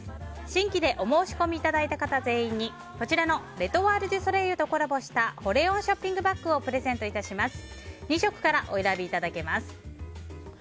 新規でお申し込みいただいた方全員に、こちらのレ・トワール・デュ・ソレイユとコラボした保冷温ショッピングバッグをプレゼント致します。